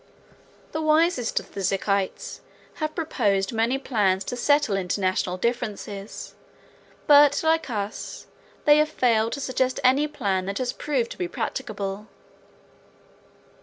The wisest of the Zikites have proposed many plans to settle international differences but, like us, they have failed to suggest any plan that has proved to be practicable.